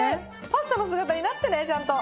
パスタの姿になってねちゃんと。